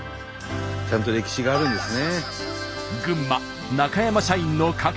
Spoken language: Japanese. ちゃんと歴史があるんですね。